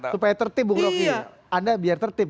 supaya tertib bung roky anda biar tertib